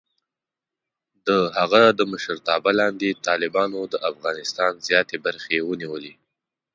د هغه د مشرتابه لاندې، طالبانو د افغانستان زیاتې برخې ونیولې.